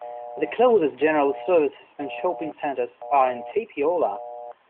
The closest general services and shopping centers are in Tapiola.